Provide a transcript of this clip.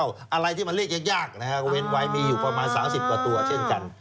อะไรที่มันเรียกยากนะฮะก็เว้นไว้มีอยู่ประมาณ๓๐กว่าตัวเช่นกัน